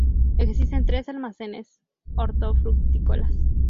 Existen tres almacenes hortofrutícolas.